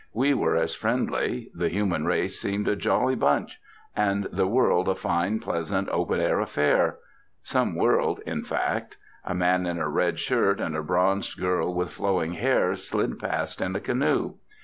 We were as friendly. The human race seemed a jolly bunch, and the world a fine, pleasant, open air affair 'some world,' in fact. A man in a red shirt and a bronzed girl with flowing hair slid past in a canoe.